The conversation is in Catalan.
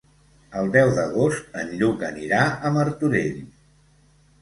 El deu d'agost en Lluc anirà a Martorell.